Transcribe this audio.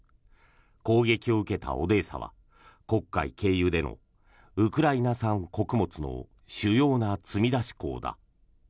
攻撃を受けたオデーサは黒海経由でのウクライナ産穀物の主要な積み出し港だ。